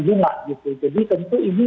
bunga jadi tentu ini